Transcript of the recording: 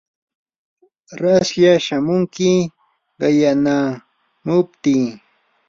raslla shamunki qayakamuptii.